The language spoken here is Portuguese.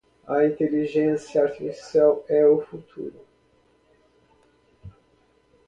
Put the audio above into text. A inteligência artificial é o futuro